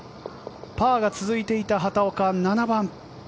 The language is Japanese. パーが続いていた畑岡、７番。